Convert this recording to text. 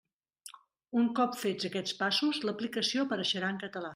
Un cop fets aquests passos, l'aplicació apareixerà en català.